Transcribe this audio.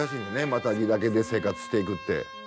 マタギだけで生活していくって。